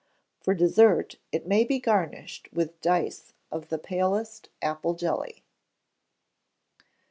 For dessert, it may be garnished with dice of the palest apple jelly.